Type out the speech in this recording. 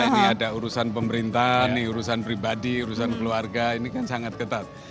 ini ada urusan pemerintahan ini urusan pribadi urusan keluarga ini kan sangat ketat